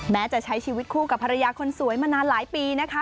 แม้จะใช้ชีวิตคู่กับภรรยาคนสวยมานานหลายปีนะคะ